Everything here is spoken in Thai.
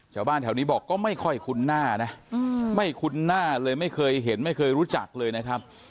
ชาวบ้านแถวนี้บอกก็ไม่ค่อยคุ้นหน้านะไม่คุ้นหน้าเลยไม่เคยเห็นไม่เคยรู้จักเลยนะครับ